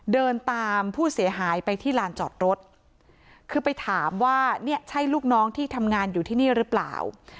เดินตามผู้เสียหายไปที่ลานจอดรถคือไปถามว่าเนี่ยใช่ลูกน้องที่ทำงานอยู่ที่นี่หรือเปล่า